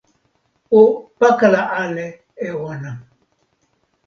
o pakala ala e ona!